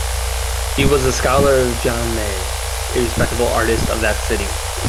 He was a scholar of Jan Maes, a respectable artist of that city.